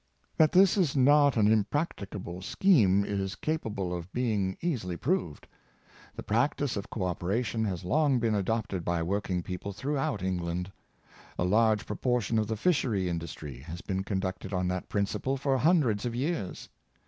That this is not an impracticable scheme is capable of being easily proved. The practice of co operation has long been adopted by working people throughout England. A large proportion of the fishery industry has been conducted on that principle for hundreds of years.